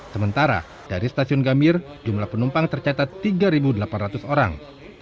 sementara dari stasiun gambir jumlah penumpang tercatat tiga delapan ratus orang